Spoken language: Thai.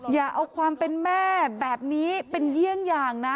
อย่าเอาความเป็นแม่แบบนี้เป็นเยี่ยงอย่างนะ